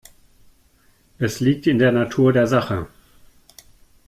Es liegt in der Natur der Sache.